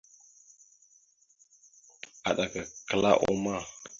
Aɗak aka kəla uma.